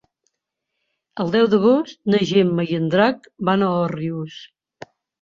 El deu d'agost na Gemma i en Drac van a Òrrius.